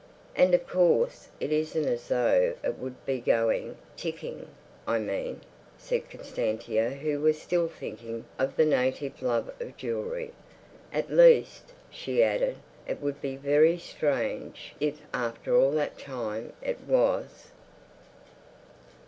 "And of course it isn't as though it would be going—ticking, I mean," said Constantia, who was still thinking of the native love of jewellery. "At least," she added, "it would be very strange if after all that time it was."